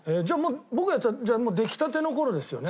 僕がやってたじゃあできたての頃ですよね？